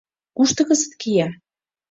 Кушто кызыт кия?..